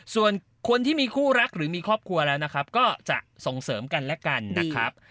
ส่วนคนที่มีคู่รักหรือมีครอบครัวแล้วนะครับก็จะส่งเสริมกันและกันนะครับ